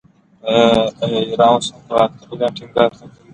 آیا ایران اوس هم په علم ټینګار نه کوي؟